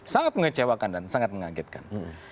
sangat mengecewakan dan sangat mengagetkan